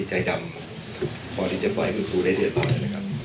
ใจดำพอดีจะปล่อยให้คุณครูได้เรียนร้อยนะครับ